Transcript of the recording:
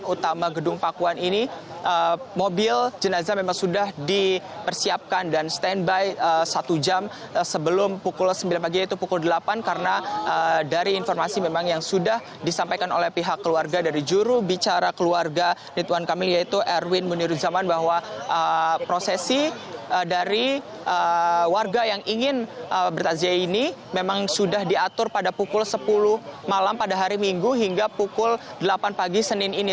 utama gedung pakuan ini mobil jenazah memang sudah dipersiapkan dan stand by satu jam sebelum pukul sembilan pagi yaitu pukul delapan karena dari informasi memang yang sudah disampaikan oleh pihak keluarga dari juru bicara keluarga rituan kamil yaitu erwin muniruzaman bahwa prosesi dari warga yang ingin bertaziah ini memang sudah diatur pada pukul sepuluh malam pada hari minggu hingga pukul delapan pagi senin ini